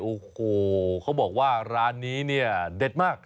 โอ้โหเขาบอกว่าร้านนี้เนี่ยเด็ดมาก